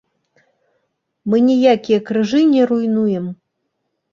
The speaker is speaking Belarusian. Мы ніякія крыжы не руйнуем.